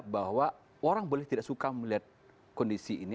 bahwa orang boleh tidak suka melihat kondisi ini